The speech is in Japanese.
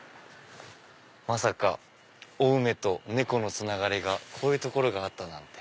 まさか青梅と猫のつながりがこういう所があったなんて。